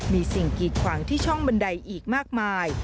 มีสิ่งกีดขวางที่ช่องบันไดอีกมากมาย